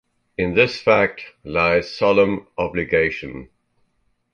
In this fact lies solemn obligation.